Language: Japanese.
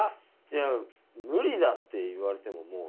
いや「無理だ」って言われてももう。